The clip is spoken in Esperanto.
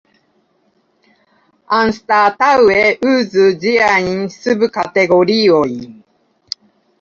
Anstataŭe uzu ĝiajn subkategoriojn.